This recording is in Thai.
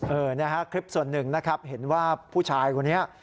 นี่ฮะคลิปส่วนหนึ่งนะครับเห็นว่าผู้ชายคนนี้